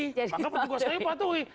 maka petugas kami patuhi